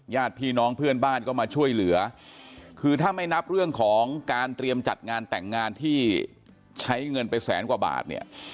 ญาติพี่น้องเพื่อนบ้านก็มาช่วยเหลือคือถ้าไม่นับเรื่องของการเตรียมจัดงานแต่งงานที่ใช้เงินไปแสนกว่าบาทเนี่ย